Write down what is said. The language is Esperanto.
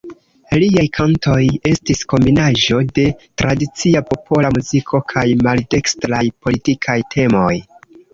Liaj kantoj estis kombinaĵo de tradicia popola muziko kaj maldekstraj politikaj temoj.